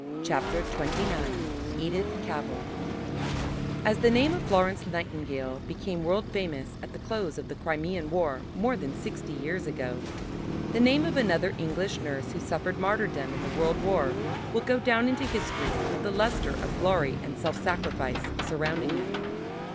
CHAPTER XXIX EDITH CAVELL As the name of Florence Nightingale became world famous at the close of the Crimean War more than sixty years ago, the name of another English nurse who suffered martyrdom in the World War will go down into history with the lustre of glory and self sacrifice surrounding it.